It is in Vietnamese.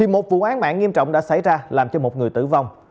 một vụ án mạng nghiêm trọng đã xảy ra làm cho một người tử vong